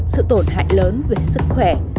sự tổn hại lớn về sức khỏe